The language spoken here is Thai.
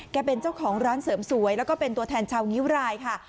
เป็นเจ้าของร้านเสริมสวยแล้วก็เป็นตัวแทนชาวงิ้วรายค่ะ